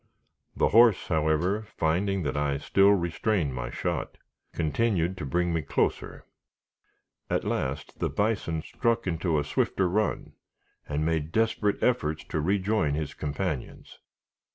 The horse, however, finding that I still restrained my shot, continued to bring me closer. At last, the bison struck into a swifter run, and made desperate efforts to rejoin his companions.